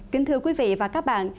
kính thưa quý vị và các bạn